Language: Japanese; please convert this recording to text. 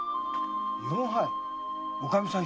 四杯？おかみさん